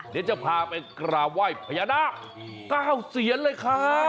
เดี๋ยวจะพาไปกราบไหว้พญานาค๙เสียนเลยครับ